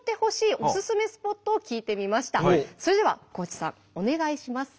それでは地さんお願いします。